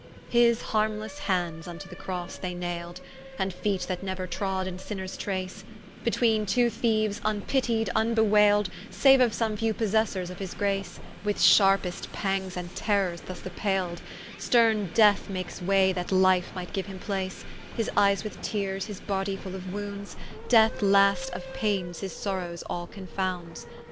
His harmlesse hands vnto the Crosse they nailde, And feet that neuer trode in sinners trace, Betweene two thieues, vnpitied, vnbewailde, Saue of some few possessors of his grace, With sharpest pangs and terrors thus appailde, Sterne Death makes way, that Life might giue him place: His eyes with teares, his body full of wounds, Death last of paines his sorrows all confounds.